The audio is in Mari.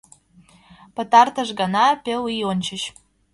Пытартыш гана — пел ий ончыч.